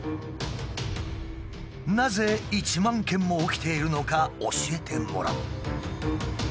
なぜ１万件も起きているのか教えてもらう。